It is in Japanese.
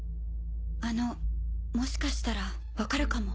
あのもしかしたら分かるかも。